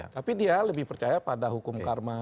tapi dia lebih percaya pada hukum karma